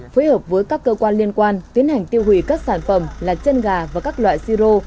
phối hợp với các cơ quan liên quan tiến hành tiêu hủy các sản phẩm là chân gà và các loại siro